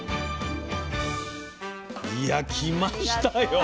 いや来ましたよ